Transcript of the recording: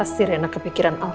pasti reina kepikiran al